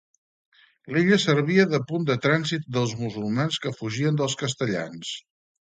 L'illa servia de punt de trànsit dels musulmans que fugien dels castellans.